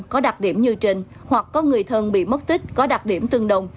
có đặc điểm như trên hoặc có người thân bị mất tích có đặc điểm tương đồng